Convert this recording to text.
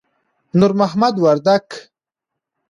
نور محمد وردک